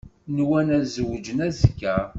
Nwan ad zewǧen azekka.